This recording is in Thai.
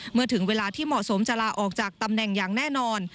เมื่อถึงเวลาที่เหมาะสมจะลาออกจากตำแหน่งอย่างแน่นอน